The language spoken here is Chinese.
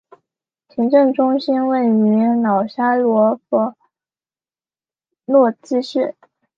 行政中心位于瑙沙罗费洛兹市。